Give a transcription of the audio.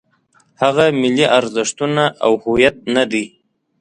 هغه ملي ارزښتونه او هویت نه دی.